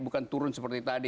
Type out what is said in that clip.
bukan turun seperti tadi